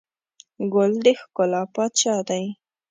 ګل د ښکلا پاچا دی.